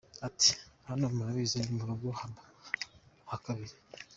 Ati " Hano murabizi ni mu rugo hakabiri.